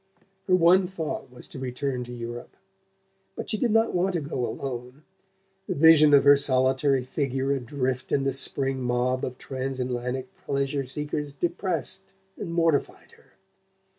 Her one thought was to return to Europe; but she did not want to go alone. The vision of her solitary figure adrift in the spring mob of trans Atlantic pleasure seekers depressed and mortified her.